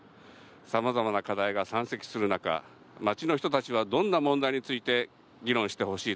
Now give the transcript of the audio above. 様々な課題が山積する中街の人たちはどんな問題について議論してほしいと